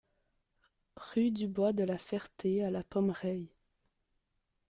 Rue Dubois de La Ferté à La Pommeraye